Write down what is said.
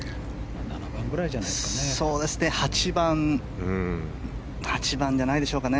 ７番ぐらいじゃないですかね。